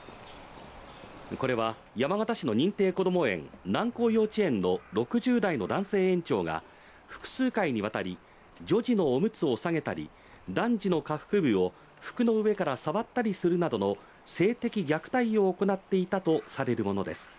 これは、山形市の認定こども園南光幼稚園の６０代の男性園長が複数回にわたり女児のオムツを下げたり、男児の下腹部を服の上から触ったりするなどの性的虐待を行っていたとされるものです。